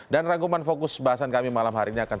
dan raguman fokus bahasan kami malam hari ini akan